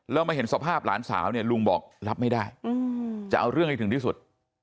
แล้วมาเห็นสภาพหลานสาวเนี่ยลุงบอกรับไม่ได้จะเอาเรื่องให้ถึงที่สุด